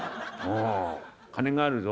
金があるぞ」。